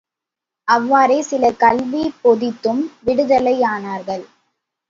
அவ்வாறே சிலர் கல்வி போதித்தும் விடுதலையானார்கள்.